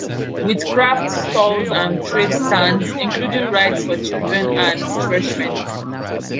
With Craft Stalls and Trade Stands, including rides for children and refreshments.